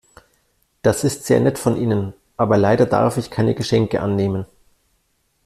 Das ist sehr nett von Ihnen, aber leider darf ich keine Geschenke annehmen.